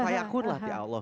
ya allah gitu